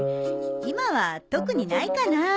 今は特にないかなあ。